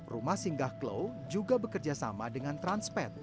rumah singgah klau juga bekerja sama dengan transpet